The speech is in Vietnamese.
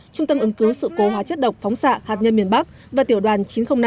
trung tâm ứng cứu sự cố hóa chất độc phóng xạ hạt nhân miền bắc và tiểu đoàn chín trăm linh năm